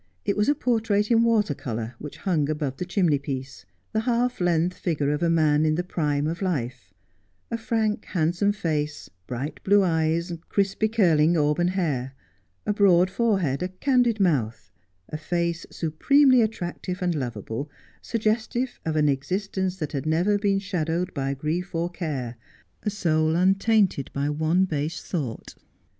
It was a portrait in water colour, which hung above the chimney piece. The half length figure of a man in the prime of life— a frank, handsome face, bright blue eyes, crisply curling auburn hair, a broad forehead, a candid mouth, — a face supremely attractive and lovable, suggestive of an existence that had never been shadowed by grief or care, a soul untinted by base thought.